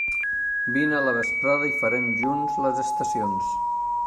Vine a la vesprada i farem junts les estacions.